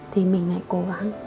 thì mình lại cố gắng